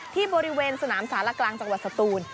ที่บริเวณสนามสารกลางจังหวัดสตูน